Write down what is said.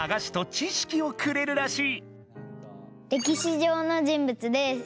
知しきをくれるらしい。